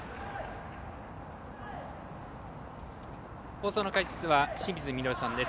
放送の解説は清水稔さんです。